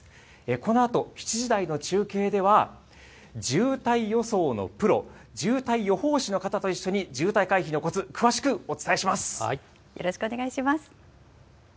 このあと７時台の中継では、渋滞予想のプロ、渋滞予報士の方と一緒に、渋滞回避のコツ、詳しくお伝えします。